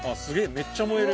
めっちゃ燃える。